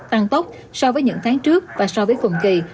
tăng tốc so với những tháng trước và so với cùng kỳ